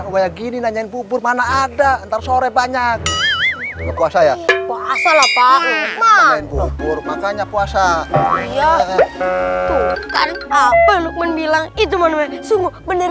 begini nanyain bubur mana ada ntar sore banyak puasa ya bahasa lapa bubur makanya puasa